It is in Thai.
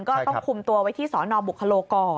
ก็ต้องคุมตัวไว้ที่สนบุคโลก่อน